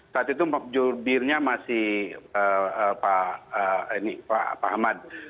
saat itu jurbirnya masih pak ahmad